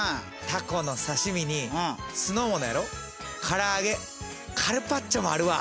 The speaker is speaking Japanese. たこの刺身に酢の物やろからあげカルパッチョもあるわ。